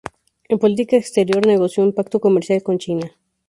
En política exterior, negoció un pacto comercial con China.